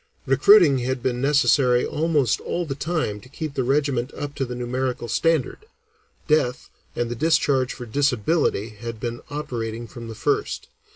Recruiting had been necessary almost all the time to keep the regiment up to the numerical standard; death and the discharge for disability had been operating from the first.